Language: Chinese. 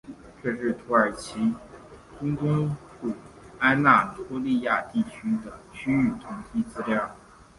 这是土耳其中东部安那托利亚地区的区域统计资料。